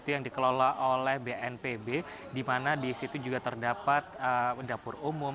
yang dikelola oleh bnpb di mana di situ juga terdapat dapur umum